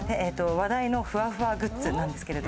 話題のふわふわグッズなんですけど。